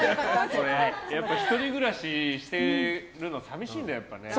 １人暮らししてるの寂しいんだよ、やっぱ。